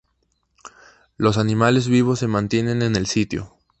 Los animales vivos se mantienen en el sitio.